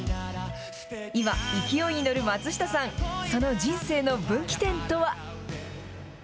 今、勢いに乗る松下さん、その人生の分岐点とは。